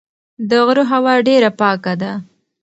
د غره هوا ډېره پاکه ده.